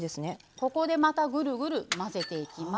ここで、またぐるぐる混ぜていきます。